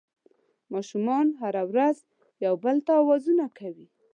ماشومان هره ورځ یو بل ته اوازونه کوي